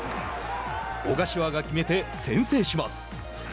小柏が決めて先制します。